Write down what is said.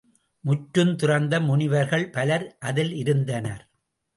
முற்றுந்துறந்த முனிவர்கள் பலர் அதில் இருந்தனர்.